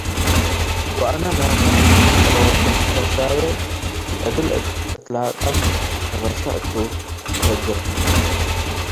ወአነ ላተ ቅሎተት ከበሳዬ እግል እትለቀ'ም፡ ከበሳ እቱ' እፈግ'ር።